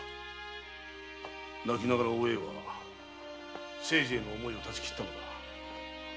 泣きながらお栄は清次への想いを断ち切ったのだ。